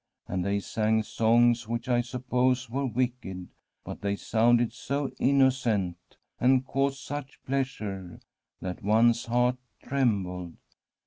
And they sang songs which, I suppose, were wicked, but they sounded so innocent, and caused such pleasure, that one's heart trembled.